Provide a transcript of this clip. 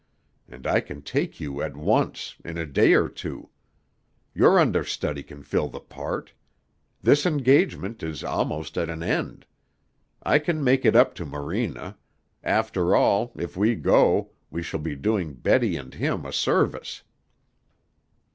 And I can take you at once in a day or two. Your understudy can fill the part. This engagement is almost at an end. I can make it up to Morena. After all, if we go, we shall be doing Betty and him a service."